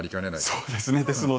そうですね。